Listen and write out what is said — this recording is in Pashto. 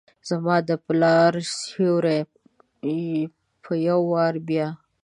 زما دپلا ر سیوري به یووارې بیا،